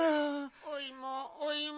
おいもおいも。